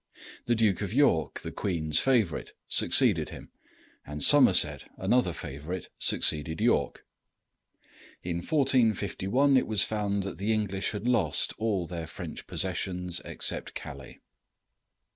The Duke of York, the queen's favorite, succeeded him, and Somerset, another favorite, succeeded York. In 1451 it was found that the English had lost all their French possessions except Calais.